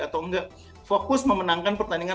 atau enggak fokus memenangkan pertandingan